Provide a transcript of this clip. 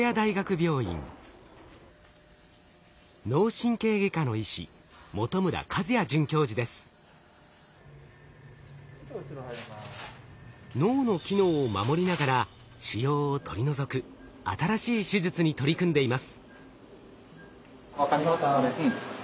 脳神経外科の医師脳の機能を守りながら腫瘍を取り除く新しい手術に取り組んでいます。